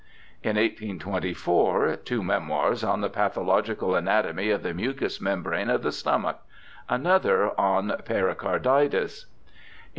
* In 1824, two memoirs on the pathological anatomy of the mucous membrane of the stomach ; another on pericarditis.